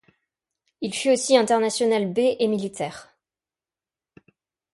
Il fut aussi international B et Militaires.